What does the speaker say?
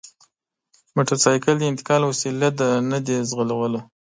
موټرسایکل د انتقال وسیله ده نه د ځغلولو!